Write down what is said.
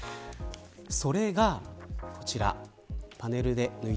それがこちら。